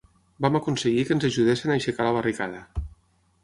Vam aconseguir que ens ajudessin a aixecar la barricada.